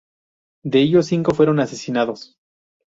De ellos, cinco fueron asesinados.